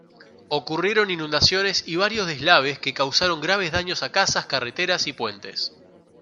Ocurrieron inundaciones y varios deslaves que causaron graves daños a casas, carreteras, y puentes.